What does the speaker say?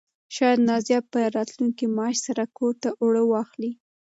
شاید نازیه په راتلونکي معاش سره کور ته اوړه واخلي.